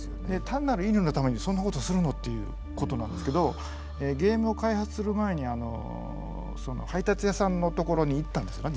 単なる「いいね」のためにそんなことするのっていうことなんですけどゲームを開発する前に配達屋さんのところに行ったんですね